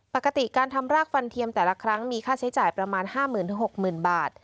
ปกติการทำรากฟันเทียมแต่ละครั้งมีค่าใช้จ่ายประมาณ๕๐๐๐๖๐๐๐บาท